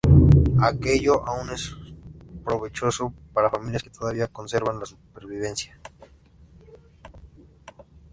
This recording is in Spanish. Aquello aún es provechoso, para familias que todavía conservan la supervivencia.